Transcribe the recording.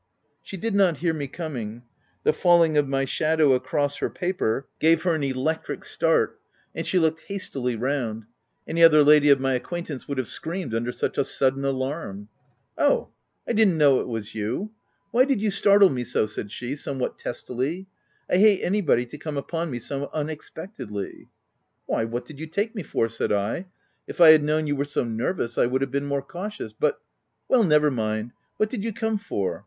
She did not hear me coming : the falling of my shadow across her paper, gave her an electric start ; and she looked hastily round — any other lady of my acquaintance would have screamed under such a sudden alarm. "Oh! I didn't know it was you— Why did OF W1LDFELL HALL. 131 you startle me so ?" said she, somewhat testily, " I hate anybody to come upon me so unex pectedly." " Why, what did you take me for ?" said I, " if I had known you were so nervous, I would have been more cautious ; but " ''Well, never mind. What did you come for